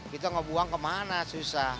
kita ngebuang ke mana susah